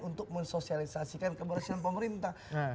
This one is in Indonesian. untuk mensosialisasikan keberhasilan pemerintah